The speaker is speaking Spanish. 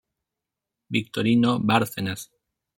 Victorino Bárcenas.